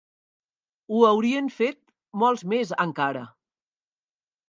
Ho haurien fet molts més encara